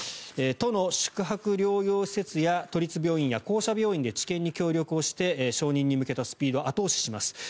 都の宿泊療養施設や都立・公社病院で治験に協力をして承認に向けたスピードを後押しします。